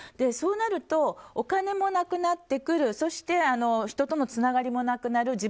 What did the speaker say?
そうなるとお金も無くなってくるそして人とのつながりもなくなる。